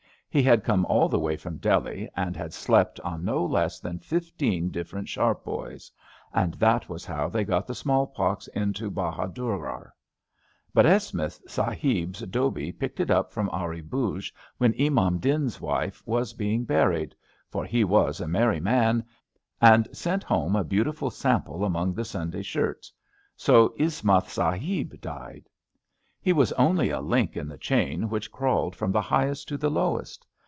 He had come all the way from Delhi, and had slept on no less than fifteen different charpoys; and that was how they got the small pox into Bahadurgarh. But Eshmith Sahib's Dhobi picked it up from Ari Booj when Imam Din's wife was being buried — for he was a merry 86 ABAFT THE FUNNEL man, and sent home a beautiful sample among the Sunday shirts. So Eshmith Sahib died. He was only a link in the chain which crawled from the highest to the lowest.